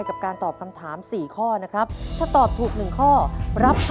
ด้วยกับการตอบคำถาม๔ข้อนะครับ